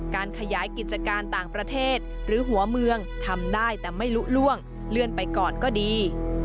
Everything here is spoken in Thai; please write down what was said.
การขยายกิจการต่างประเทศหรือหัวเมืองทำได้แต่ไม่ลุล่วงเลื่อนไปก่อนก็ดี